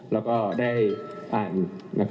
แล้วก็ได้อ่าน